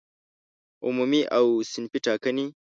عمومي او صنفي ټاکنې